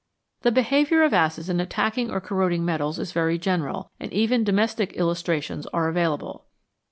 The behaviour of acids in attacking or corroding metals is very general, and even domestic illustrations are avail able.